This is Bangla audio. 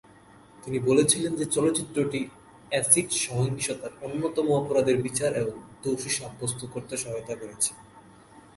তিনি বলেছিলেন যে চলচ্চিত্রটি অ্যাসিড সহিংসতার অন্যতম অপরাধীর বিচার এবং দোষী সাব্যস্ত করতে সহায়তা করেছে।